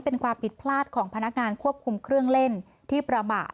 เป็นความผิดพลาดของพนักงานควบคุมเครื่องเล่นที่ประมาท